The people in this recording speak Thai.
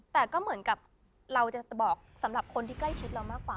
แต่ก็เหมือนกับเราจะบอกสำหรับคนที่ใกล้ชิดเรามากกว่า